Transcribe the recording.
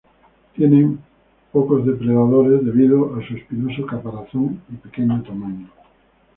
Tiene pocos depredadores debido a su espinoso caparazón y pequeño tamaño.